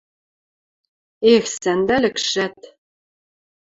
Эх, сӓндӓлӹкшӓт!